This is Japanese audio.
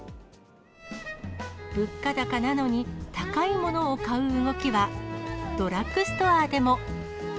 物価高なのに、高いものを買う動きは、ドラッグストアでも。